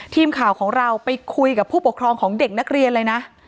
ทีมข่าวของเราไปคุยกับผู้ปกครองของเด็กนักเรียนเลยนะ